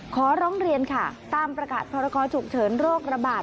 ขอร้องเรียนค่ะตามประกาศพรกรฉุกเฉินโรคระบาด